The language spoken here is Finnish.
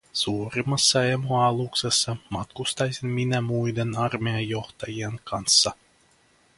Suurimmassa emoaluksessa matkustaisin minä muiden armeijajohtajien kanssa.